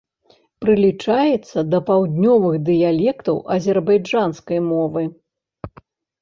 Прылічаецца да паўднёвых дыялектаў азербайджанскай мовы.